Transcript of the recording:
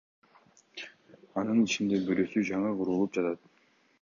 Анын ичинде бирөөсү жаңы курулуп жатат.